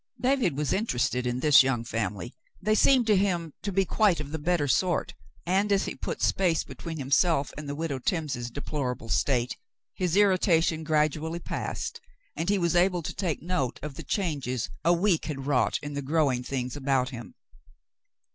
David was interested in this young family ; they seemed to him to be quite of the better sort, and as he put space between himself and the Widow Timms' deplorable state, his irritation gradually passed, and he was able to take note of the changes a week had wrought in the growing things about him.